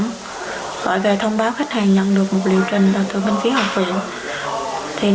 gọi về thông báo khách hàng nhận được một liệu trình từ minh phí học viện